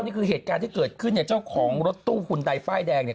นี่คือเหตุการณ์ที่เกิดขึ้นเนี่ยเจ้าของรถตู้หุ่นใดป้ายแดงเนี่ย